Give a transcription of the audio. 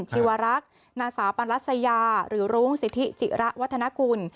ชีวรักษ์นางสาวปันรัสยาหรือรุ้งสิทธิจิระวัฒนกุล